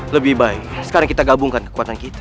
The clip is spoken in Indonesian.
lebih baik sekarang kita gabungkan kekuatan kita